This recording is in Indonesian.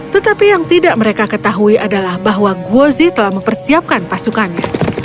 tetapi yang tidak mereka ketahui adalah bahwa guozi telah mempersiapkan pasukannya